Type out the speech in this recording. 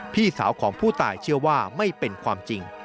พี่สาวของผู้ตายเชื่อว่าไม่เป็นความจริง